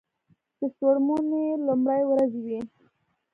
د څوړموني لومړی ورځې وې.